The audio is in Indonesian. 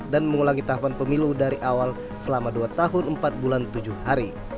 dan mengulangi tahapan pemilu dari awal selama dua tahun empat bulan tujuh hari